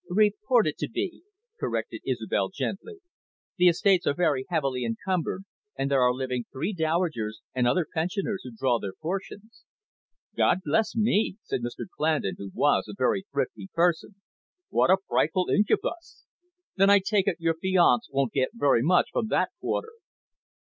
"Reported to be," corrected Isobel gently. "The estates are very heavily encumbered, and there are living three dowagers, and other pensioners who draw their portions." "God bless me," said Mr Clandon, who was a very thrifty person. "What a frightful incubus! Then I take it your fiance won't get very much from that quarter?"